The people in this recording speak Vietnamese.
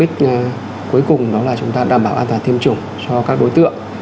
cuối cùng đó là chúng ta đảm bảo an toàn tiêm chủng cho các đối tượng